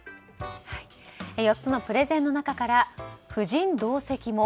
４つのプレゼンの中から夫人同席も。